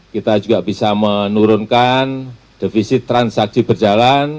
kita juga bisa menurunkan defisit transaksi berjalan